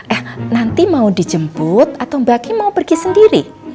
eh nanti mau dijemput atau mbak ki mau pergi sendiri